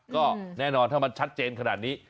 ก็แน่นอนถ้ามันชัดเจนขนาดนี้